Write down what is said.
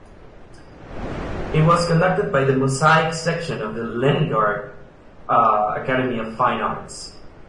It was conducted by the Mosaic Section of the Leningrad Academy of Fine Arts.